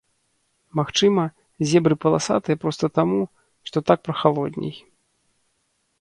Магчыма, зебры паласатыя проста таму, што так прахалодней.